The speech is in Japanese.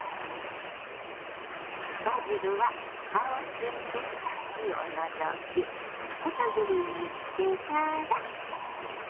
バジルは葉を摘んで茎を除き細切りにしてから。